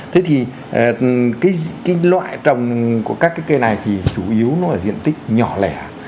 thế thì cái loại trồng của các cái cây này thì chủ yếu nó ở diện tích nhỏ lẻ